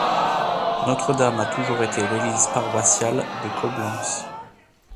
Notre-Dame a toujours été l'église paroissiale de Coblence.